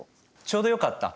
ちょうどよかった。